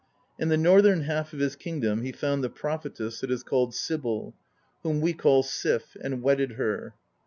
In the northern half of his kingdom he found the prophetess that is called Sibil, whom we call Sif, and wedded her.